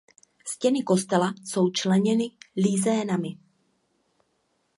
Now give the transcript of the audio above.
Stěny kostela jsou členěny lizénami.